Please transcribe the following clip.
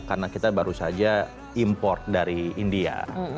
karena kita baru saja import dari india